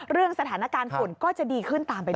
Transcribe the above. สถานการณ์ฝุ่นก็จะดีขึ้นตามไปด้วย